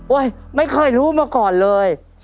ไม่เคยรู้มาก่อนเลย